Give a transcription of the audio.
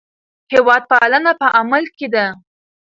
هېوادپالنه په عمل کې ده.